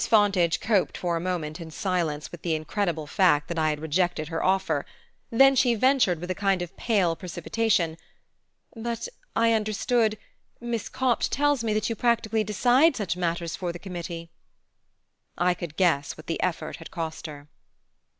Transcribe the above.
Fontage coped for a moment in silence with the incredible fact that I had rejected her offer; then she ventured, with a kind of pale precipitation: "But I understood Miss Copt tells me that you practically decide such matters for the committee." I could guess what the effort had cost her.